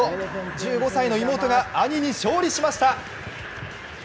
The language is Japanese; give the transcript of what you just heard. １５歳の妹が兄に勝利しました。